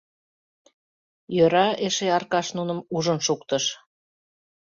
Йӧра эше Аркаш нуным ужын шуктыш.